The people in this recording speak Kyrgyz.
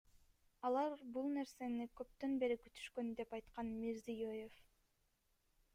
Алар бул нерсени көптөн бери күтүшкөн, — деп айткан Мирзиёев.